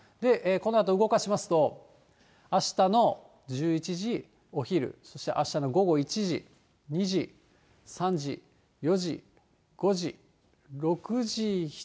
このあと動かしますと、あしたの１１時、お昼、そしてあしたの午後１時、２時、３時、４時、５時、６時、７時、８時、９時。